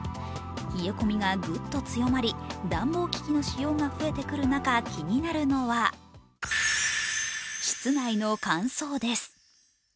冷え込みがグッと強まり、暖房機器の使用が増えてくる中気になるのは、室内の乾燥です。